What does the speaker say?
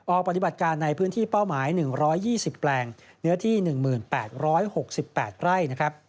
ปฏิบัติการในพื้นที่เป้าหมาย๑๒๐แปลงเนื้อที่๑๘๖๘ไร่นะครับ